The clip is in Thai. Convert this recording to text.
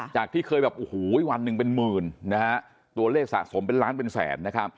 จากที่เคยวันหนึ่งเป็นหมื่นตัวเลขสะสมเป็นล้านเป็นแสน